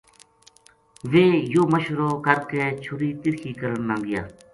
ویہ یوہ مشورو کر کے چھُری تِرِکھی کرن نا گیا